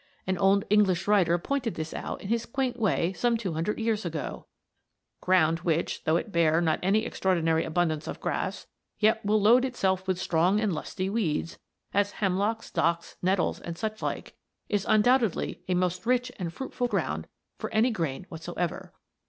An old English writer pointed this out in his quaint way some 200 years ago: "Ground which, though it bear not any extraordinary abundance of grass yet will load itself with strong and lusty weeds, as Hemlocks, Docks, Nettles and such like, is undoubtedly a most rich and fruitful ground for any grain whatsoever."